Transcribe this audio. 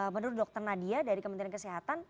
menurut dr nadia dari kementerian kesehatan